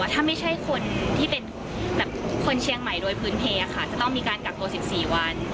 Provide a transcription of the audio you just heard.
ถ้าไม่ใช่คนที่เป็นคนเชียงใหม่โดยพื้นเพค่ะจะต้องมีการกักตัว๑๔วัน